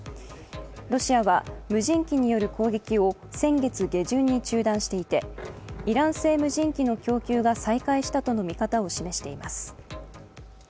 ロシアは無人機による攻撃を先月下旬に中断していて、イラン製無人機の供給が再開したとの見方を示しています。